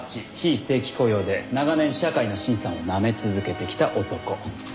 非正規雇用で長年社会の辛酸を舐め続けてきた男。